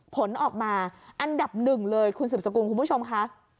ผลออกมาอันดับหนึ่งเลยคุณสืบสกุลคุณผู้ชมค่ะ